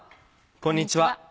こんにちは。